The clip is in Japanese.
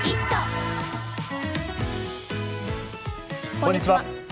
こんにちは。